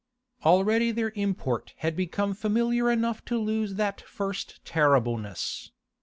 Already their import had become familiar enough to lose that first terribleness.